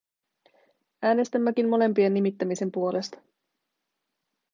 Äänestämmekin molempien nimittämisen puolesta.